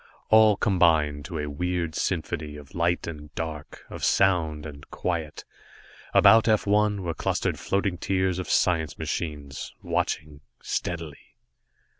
All combined to a weird symphony of light and dark, of sound and quiet. About F 1 were clustered floating tiers of science machines, watching steadily.